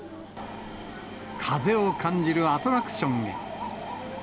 風を感じるアトラクションへ。